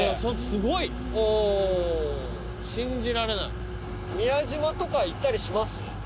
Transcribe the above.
うんすごい信じられない宮島とか行ったりします？